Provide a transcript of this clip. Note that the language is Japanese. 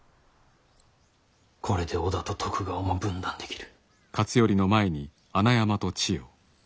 これで織田と徳川も分断できる。